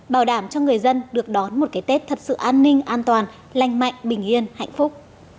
bảo đảm cho người dân được đón một cái tết thật sự an ninh an toàn lành mạnh bình yên hạnh phúc